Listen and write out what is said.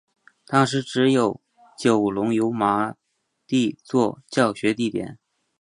当时只有九龙油麻地作教学地点。